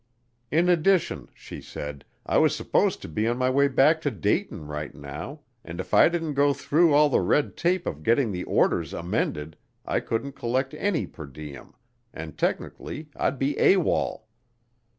In addition, she said, I was supposed to be on my way back to Dayton right now, and if I didn't go through all the red tape of getting the orders amended I couldn't collect any per diem and technically I'd be AWOL.